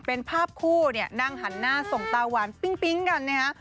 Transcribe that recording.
เป็นภาพคู่เนี่ยนั่งหันหน้าส่งตาหวานปิ๊งกันนะฮะ